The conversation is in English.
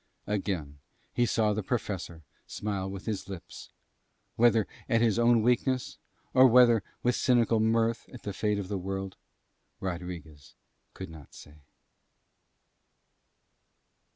Again he saw the Professor smile with his lips, though whether at his own weakness, or whether with cynical mirth at the fate of the world, Rodriguez could not say.